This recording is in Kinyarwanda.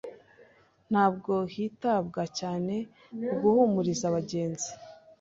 Ntabwo hitabwa cyane ku guhumuriza abagenzi.